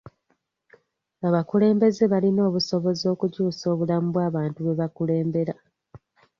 Abakulembeze balina obusobozi okukyusa obulamu bw'abantu be bakulembera.